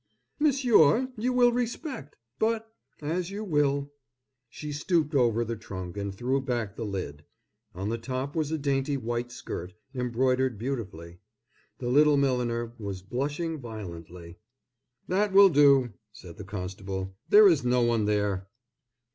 "Monsieur, you will respect—but—as you will." She stooped over the trunk and threw back the lid; on the top was a dainty white skirt, embroidered beautifully. The little milliner was blushing violently. "That will do!" said the constable. "There is no one there."